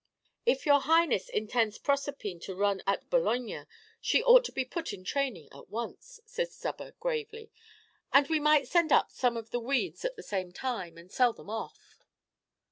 "If your Highness intends Proserpine to run at Bologna, she ought to be put in training at once," said Stubber, gravely; "and we might send up some of the weeds at the same time, and sell them off."